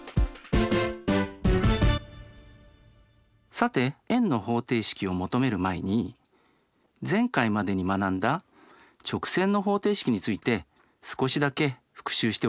さて円の方程式を求める前に前回までに学んだ直線の方程式について少しだけ復習しておきましょう。